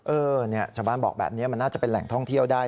เออเนี่ยชาวบ้านบอกแบบนี้มันน่าจะเป็นแหล่งท่องเที่ยวได้